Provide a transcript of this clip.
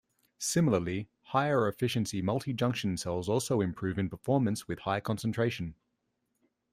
Similarly, higher efficiency multijunction cells also improve in performance with high concentration.